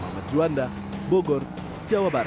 muhammad juanda bogor jawa barat